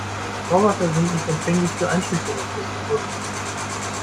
Roboter sind nicht empfänglich für Einschüchterungsversuche.